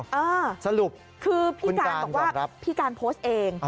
สรุปคุณการบอกครับคือพี่การบอกว่าพี่การโพสต์เอง